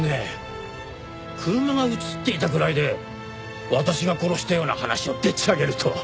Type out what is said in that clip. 車が映っていたぐらいで私が殺したような話をでっち上げるとは。